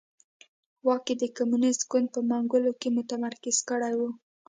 واک یې د کمونېست ګوند په منګولو کې متمرکز کړی و.